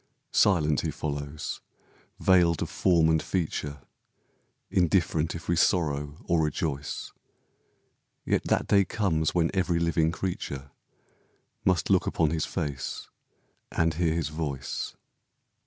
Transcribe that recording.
Silent he follows, veiled of form and feature, Indifferent if we sorrow or rejoice, Yet that day comes when every living creature Must look upon his face and hear his voice.